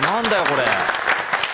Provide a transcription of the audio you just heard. これ。